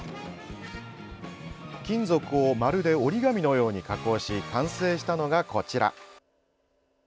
金属をまるで折り紙のように加工し完成したのが、こちら。